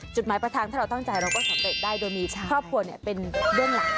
จุดหมายประทังถ้าเราตั้งใจเราก็สำเร็จได้โดยมีครอบครัวเป็นเบื้องหลัง